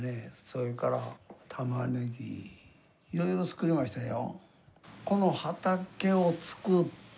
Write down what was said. それからタマネギいろいろ作りましたよ。